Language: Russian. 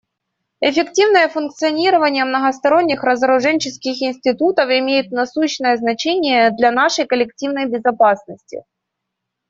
Эффективное функционирование многосторонних разоруженческих институтов имеет насущное значение для нашей коллективной безопасности.